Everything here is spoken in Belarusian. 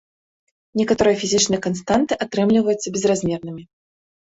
Некаторыя фізічныя канстанты атрымліваюцца безразмернымі.